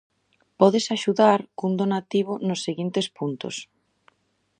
Podes axudar cun donativo nos seguintes puntos: